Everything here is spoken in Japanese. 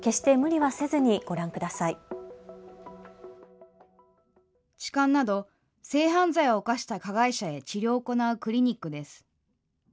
痴漢など性犯罪を犯した加害者へ治療を行うクリニックです。